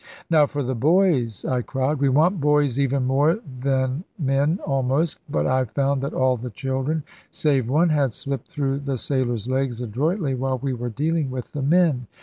"Now for the boys!" I cried; "we want boys even more then men almost;" but I found that all the children save one had slipped through the sailors' legs adroitly while we were dealing with the men.